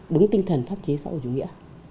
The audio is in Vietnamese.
đúng tinh thần pháp chế xã hội chủ nghĩa